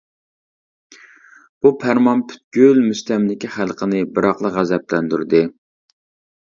بۇ پەرمان پۈتكۈل مۇستەملىكە خەلقىنى بىراقلا غەزەپلەندۈردى.